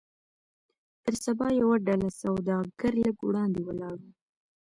پر سبا يوه ډله سوداګر لږ وړاندې ولاړ وو.